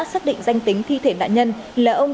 xác định danh tính thi thể nạn nhân là ông